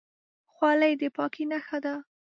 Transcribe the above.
خولۍ د پاکۍ نښه ده.